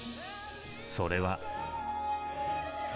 それは。